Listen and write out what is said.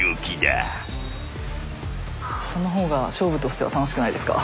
その方が勝負としては楽しくないですか？